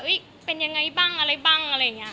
อุ้ยเป็นยังไงบ้างอะไรบ้าง